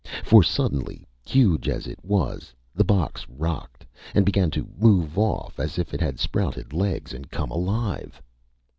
For suddenly, huge as it was, the box rocked, and began to move off, as if it had sprouted legs and come alive.